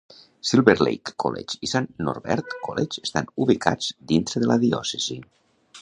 Silver Lake College i Saint Norbert College estan ubicats dintre de la diòcesi.